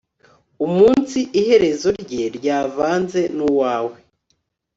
umunsi iherezo rye ryavanze nuwawe